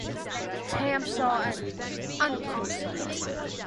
Tam saw an unco sight!